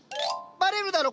バレるだろ